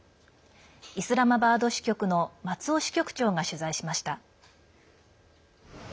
イスラマバード支局の松尾支局長が取材しました。